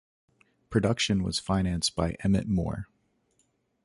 Production was financed by Emmett Moore.